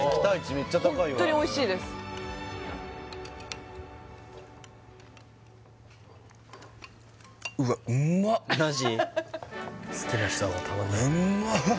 めっちゃ高いわホントにおいしいですうわマジ？